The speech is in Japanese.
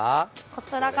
こちらが。